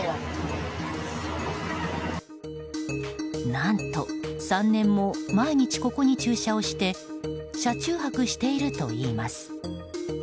何と、３年も毎日ここに駐車をして車中泊しているといいます。